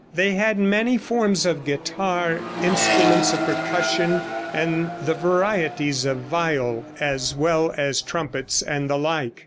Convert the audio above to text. They had many forms of guitar, instruments of percussion, and the varieties of viol, as well as trumpets and the like.